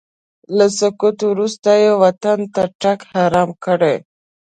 له سقوط وروسته یې وطن ته تګ حرام کړی.